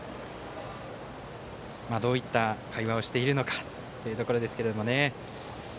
どういった会話をしているのかといったところですけどね。